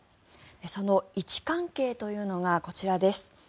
その位置関係というのがこちらです。